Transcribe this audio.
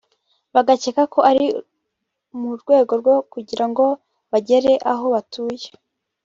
bagakeka ko ari mu rwego rwo kugira ngo begere aho batuye